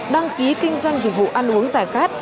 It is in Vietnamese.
đăng ký kinh doanh dịch vụ ăn uống giải khát